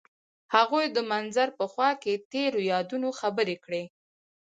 هغوی د منظر په خوا کې تیرو یادونو خبرې کړې.